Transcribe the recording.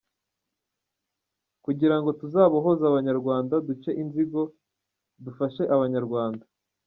kugira ngo tuzabohoze abanyarwanda, duce inzigo, dufashe abanyarwanda